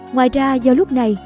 ngoài ra do lúc này